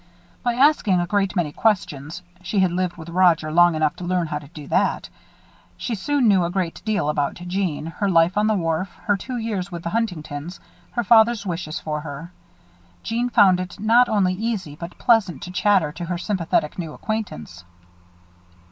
By asking a great many questions (she had lived with Roger long enough to learn how to do that) she soon knew a great deal about Jeanne, her life on the wharf, her two years with the Huntingtons, her father's wishes for her. Jeanne found it not only easy but pleasant to chatter to her sympathetic new acquaintance.